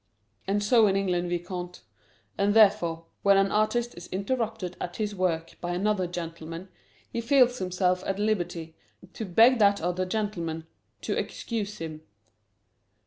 "And so in England, Vicomte. And therefore, when an artist is interrupted at his work by another gentleman, he feels himself at liberty to beg that other gentleman to excuse him."